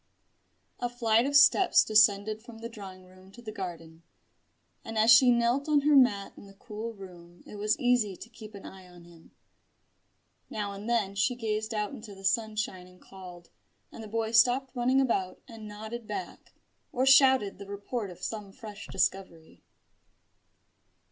A flight of steps descended from the drawing room to the garden, and as she knelt on her mat in the cool room it was easy to keep an eye on him. Now and then she gazed out into the sunshine and called; and the boy stopped running about and nodded back, or shouted the report of some fresh discovery.